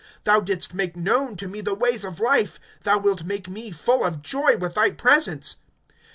(28)Thou didst make known to me the ways of life; Thou wilt make me full of joy with thy presence.